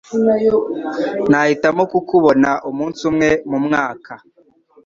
Nahitamo kukubona umunsi umwe mu mwaka